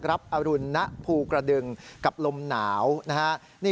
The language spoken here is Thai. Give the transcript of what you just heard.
อรุณณภูกระดึงกับลมหนาวนะฮะ